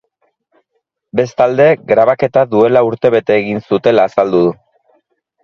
Bestalde, grabaketa duela urtebete egin zutela azaldu du.